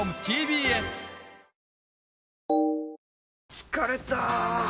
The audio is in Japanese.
疲れた！